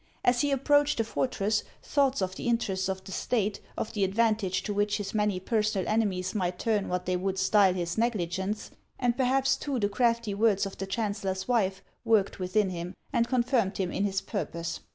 As he approached the fortress, thoughts of the interests of the State, of the advantage to which his many personal enemies might turn what they would style his negligence, and perhaps too the crafty words of the chancellor's wife, worked within him, and confirmed him in his purpose.